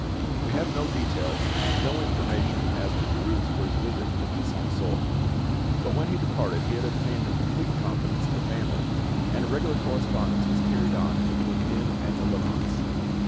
We have no details, no information as to Derues' first visit to Buisson Souef, but when he departed he had obtained the complete confidence of the family, and a regular correspondence was carried on between him and the Lamottes.